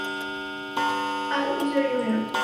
Al Unser Jr.